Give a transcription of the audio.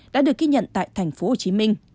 đã được ghi nhận tại tp hcm